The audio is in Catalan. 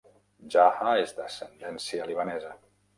Jaha és d'ascendència libanesa.